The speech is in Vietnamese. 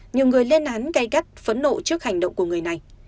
nhiều người lên án gây gắt phẫn nộ trước hành động của người này